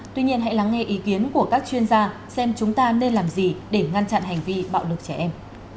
tuy nhiên hãy lắng nghe ý kiến của các chuyên gia xem chúng ta nên làm gì để ngăn chặn hành vi bạo lực trẻ em